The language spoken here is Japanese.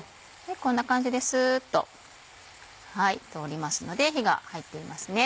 こんな感じでスっと通りますので火が入っていますね。